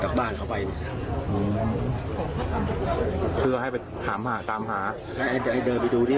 จากบ้านเขาไปอืมคือให้ไปถามหาตามหาไอ้เดินไปดูเนี้ย